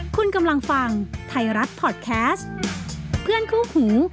คุณกำลังฟังไทยรัฐพอร์ตแคสต์เพื่อนคู่หู